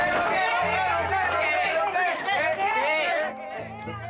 ntar sunjukin mukanya si luki ya